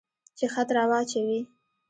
چې خط را واچوي.